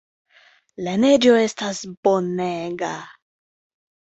La neĝo estis bonega.